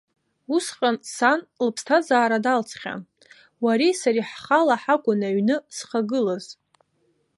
Усҟан сан лыԥсҭазаара далҵхьан, уареи сареи ҳхала ҳакәын аҩны зхагылаз.